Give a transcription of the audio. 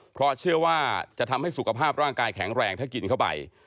เพราะเชื่อว่าจะทำให้สุขภาพร่างกายแข็งแรงถ้ากินเข้าไป